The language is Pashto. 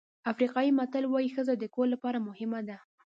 افریقایي متل وایي ښځه د کور لپاره مهمه ده.